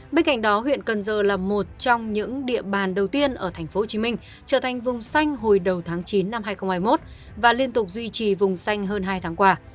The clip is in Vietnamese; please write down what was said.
bên cạnh đó huyện cần giờ là một trong những địa bàn đầu tiên ở tp hcm trở thành vùng xanh hồi đầu tháng chín năm hai nghìn hai mươi một và liên tục duy trì vùng xanh hơn hai tháng qua